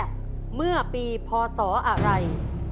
ประมาณปีแรกเมื่อปีพศอะไร